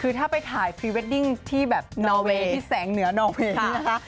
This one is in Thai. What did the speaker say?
คือถ้าไปถ่ายพรีเวดดิ้งที่แสงเหนือนัิเวณนะคะ